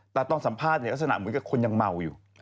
แต่ตอนสัมภาษณ์เนี่ยลักษณะเหมือนกับคนยังเมาอยู่